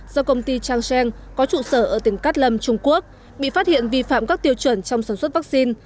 do công ty changsheng có trụ sở ở tiền cát lâm trung quốc bị phát hiện vi phạm các tiêu chuẩn trong sản xuất vaccine